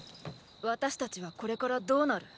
私達はこれからどうなる。